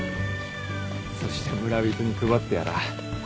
そして村人に配ってやらぁ。